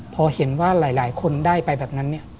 พอเห็นว่าหลายคนได้ไปแบบนั้นเนี่ย